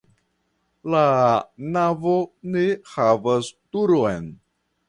La navo ne havas turon.